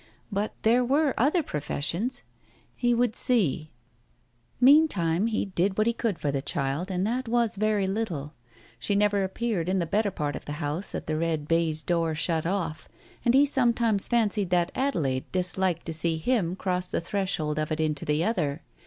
But there were other professions. He would see ? Meantime he did what he could for the child, and that was very little. She never appeared in the better part of the house that the red baize door shut off, and he sometimes fancied that Adelaide disliked to see him cross the threshold of it into the other.